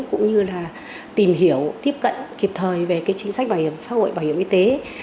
cũng như là tìm hiểu tiếp cận kịp thời về chính sách bảo hiểm xã hội bảo hiểm y tế